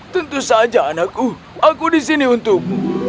tentu saja anakku aku disini untuk